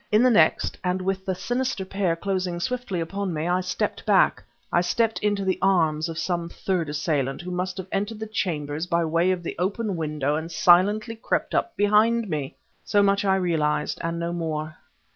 In the next, and with the sinister pair closing swiftly upon me, I stepped back I stepped into the arms of some third assailant, who must have entered the chambers by way of the open window and silently crept up behind me! So much I realized, and no more.